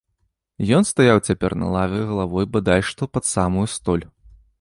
Ён стаяў цяпер на лаве галавой бадай што пад самую столь.